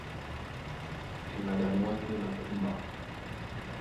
E maɗaŋgwá ndé na kúmba.